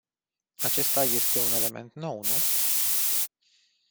Acesta este un element nou, nu?